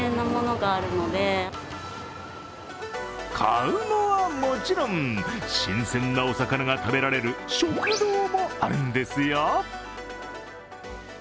買うのはもちろん、新鮮なお魚が食べられる食堂もあるんですよ。